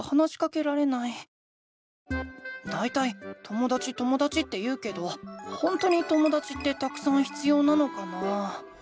だいたいともだちともだちって言うけどほんとにともだちってたくさん必要なのかな？